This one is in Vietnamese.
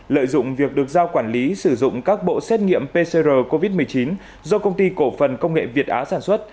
lợi dụng việc được giao quản lý sử dụng các bộ xét nghiệm pcr covid một mươi chín do công ty cổ phần công nghệ việt á sản xuất